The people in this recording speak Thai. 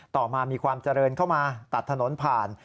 ต่อมามีความเจริญเข้ามาตัดถนนผ่าน